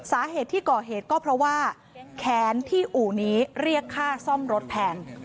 สาเหตุที่ก่อเหตุก็เพราะว่าแขนที่อู่นี้เรียกค่าซ่อมรถแทน